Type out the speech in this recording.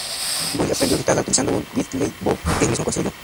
Guy aprendió guitarra utilizando un "diddley bow" que el mismo construyó.